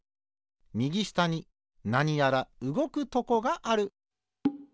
みぎしたになにやらうごくとこがある。